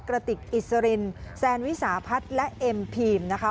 กระติกอิสรินแซนวิสาพัฒน์และเอ็มพีมนะคะ